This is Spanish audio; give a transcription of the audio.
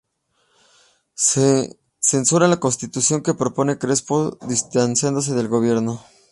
Censura la Constitución que propone Crespo, distanciándose del gobierno.